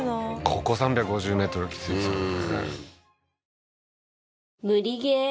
ここ３５０ｍきついですよね